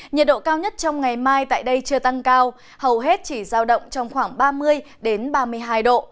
nhiệt độ cao nhất trong ngày mai tại đây chưa tăng cao hầu hết chỉ giao động trong khoảng ba mươi ba mươi hai độ